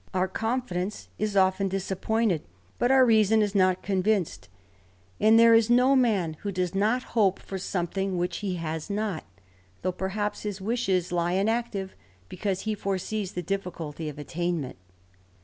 Our confidence is often disappointed, but our reason is not convinced, and there r THE RAMBLER. 87 ii no man who does not hope for sometiiing which he has not, though perhaps his wishes lie unactive, because he foresees the difficulty of atlainment.